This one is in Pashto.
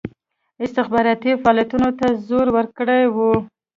استخباراتي فعالیتونو ته زور ورکړی وو.